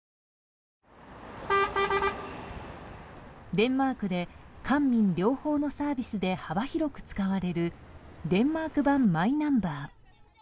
デンマークで官民両方のサービスで幅広く使われるデンマーク版マイナンバー。